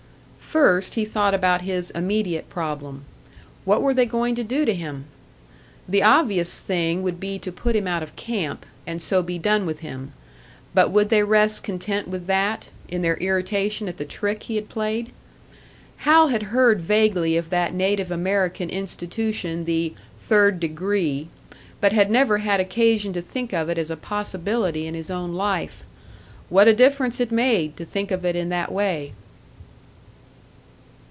First, he thought about his immediate problem. What were they going to do to him? The obvious thing would be to put him out of camp, and so be done with him; but would they rest content with that, in their irritation at the trick he had played? Hal had heard vaguely of that native American institution, the "third degree," but had never had occasion to think of it as a possibility in his own life. What a difference it made, to think of it in that way!